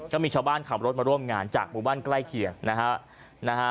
ก็มีชาวบ้านขับรถมาร่วมงานจากบริเวณใกล้เคียงนะฮะ